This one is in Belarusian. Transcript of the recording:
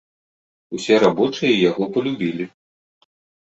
Усе рабочыя яго палюбілі.